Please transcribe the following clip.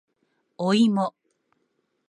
おいも